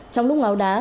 trong lúc ngáo đá